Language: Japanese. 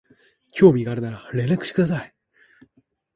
興味があるなら連絡してください